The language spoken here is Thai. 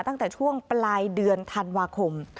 ตั้งแต่ช่วงปลายเดือนธันวาคม